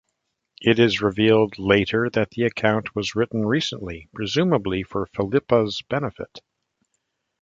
It is revealed later that the account was written recently, presumably for Phillipa's benefit.